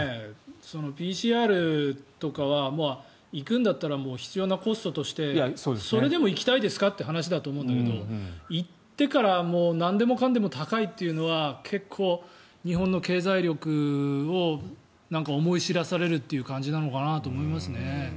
ＰＣＲとかは、行くんだったら必要なコストとしてそれでも行きたいですかという話だと思うんだけど行ってからなんでもかんでも高いというのは結構、日本の経済力を思い知らされるという感じなのかなと思いますね。